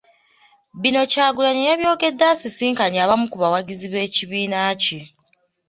Bino Kyagulanyi yabyogedde asisinkanye abamu ku bawagizi b’ekibiina kye.